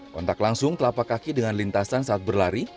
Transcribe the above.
kontak langsung telapak kaki dengan lintasan saat berlari